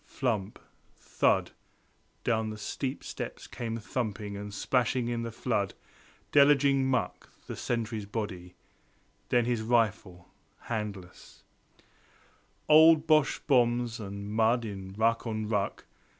flump! thud! down the steep steps came thumping And splashing in the flood, deluging muck The sentry's body; then his rifle, handles Of old Boche bombs, and mud in ruck on ruck.